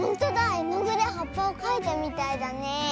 えのぐではっぱをかいたみたいだね。